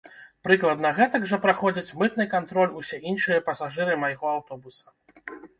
Прыкладна гэтак жа праходзяць мытны кантроль усе іншыя пасажыры майго аўтобуса.